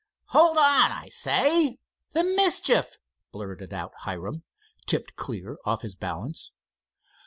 "Hold on, I say. The mischief!" blurted out Hiram, tipped clear off his balance.